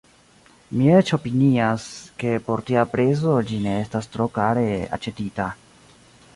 Mi eĉ opinias, ke por tia prezo ĝi ne estas tro kare aĉetita.